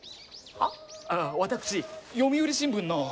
あっ私読売新聞の。